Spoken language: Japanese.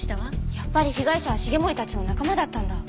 やっぱり被害者は繁森たちの仲間だったんだ。